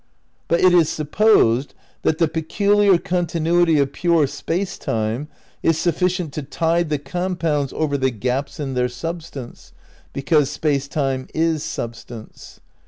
But it is supposed that the peculiar continuity of pure Space Time is sufficient to tide the compounds over the gaps in their substance, because Space Time is Substance.